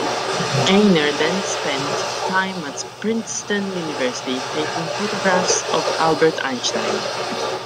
Aigner then spent time at Princeton University taking photographs of Albert Einstein.